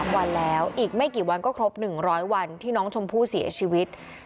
วันแล้วอีกไม่กี่วันก็ครบ๑๐๐วันที่น้องชมพู่เสียชีวิต